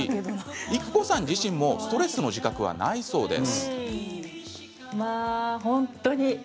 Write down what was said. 育子さん自身もストレスの自覚はないそうです。